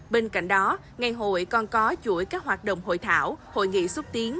bên cạnh đó ngày hội còn có chuỗi các hoạt động hội thảo hội nghị xúc tiến